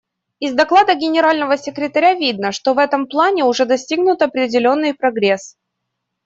Из доклада Генерального секретаря видно, что в этом плане уже достигнут определенный прогресс.